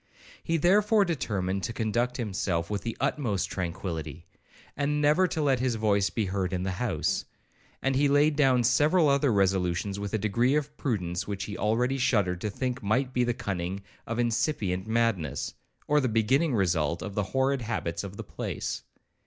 He therefore determined to conduct himself with the utmost tranquillity, and never to let his voice be heard in the house; and he laid down several other resolutions with a degree of prudence which he already shuddered to think might be the cunning of incipient madness, or the beginning result of the horrid habits of the place.